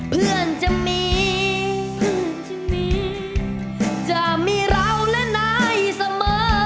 เพื่อนจะมีจะมีเราและนายเสมอ